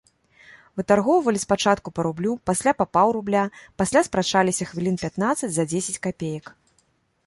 Вытаргоўвалі спачатку па рублю, пасля па паўрубля, пасля спрачаліся хвілін пятнаццаць за дзесяць капеек.